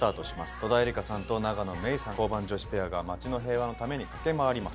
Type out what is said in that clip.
戸田恵梨香さんと、永野芽郁さんが街の平和のために駆け回ります。